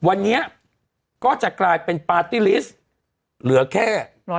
วันนี้ก็จะกลายเป็นปาร์ตี้ลิสต์เหลือแค่๑๐๐